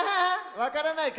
わからないか。